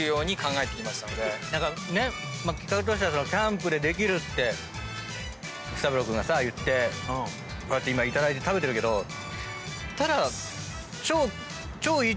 企画としてはキャンプでできるって育三郎君がさ言ってこうやって今食べてるけどただ。